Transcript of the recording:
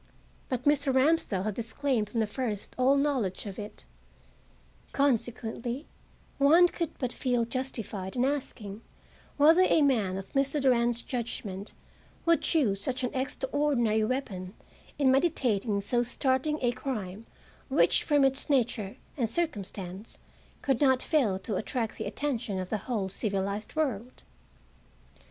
But Mr. Ramsdell had disclaimed from the first all knowledge of it, consequently one could but feel justified in asking whether a man of Mr. Durand's judgment would choose such an extraordinary weapon in meditating so startling a crime which from its nature and circumstance could not fail to attract the attention of the whole civilized world.